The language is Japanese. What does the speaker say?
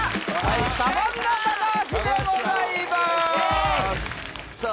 サバンナ高橋でございますお願いしますさあ